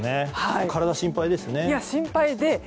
体が心配ですね。